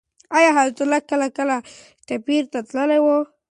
آیا حیات الله کله کلي ته بېرته تللی دی؟